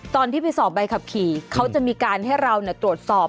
ตอนที่ไปสอบใบขับขี่เขาจะมีการให้เราตรวจสอบ